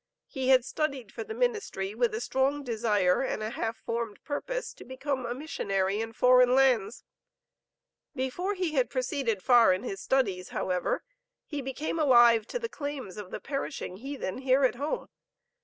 He had studied for the ministry with a strong desire, and a half formed purpose to become a missionary in foreign lands. Before he had proceeded far in his studies, however, he became alive to the claims of the 'perishing heathen' here at home.